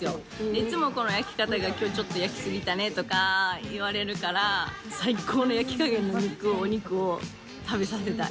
いつも焼き方が今日ちょっと焼きすぎたねとか言われるから最高の焼き加減のお肉を食べさせたい。